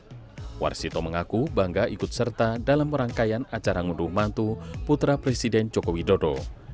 marsito mengaku bangga ikut serta dalam rangkaian acara ngunduh mantu putra presiden joko widodo